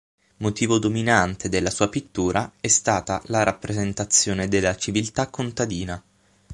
Motivo dominante della sua pittura è stata la rappresentazione della civiltà contadina.